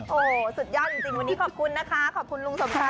โอ้โหสุดยอดจริงวันนี้ขอบคุณนะคะขอบคุณลุงสมชาย